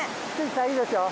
いいですよ。